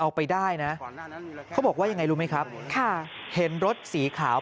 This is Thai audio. เอาไปได้นะเขาบอกว่ายังไงรู้ไหมครับค่ะเห็นรถสีขาว